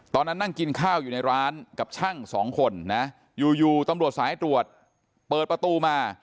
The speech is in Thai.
นั่งกินข้าวอยู่ในร้านกับช่างสองคนนะอยู่ตำรวจสายตรวจเปิดประตูมา